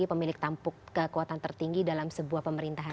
pemilik tampuk kekuatan tertinggi dalam sebuah pemerintahan